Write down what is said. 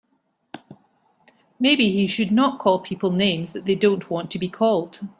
Maybe he should not call people names that they don't want to be called.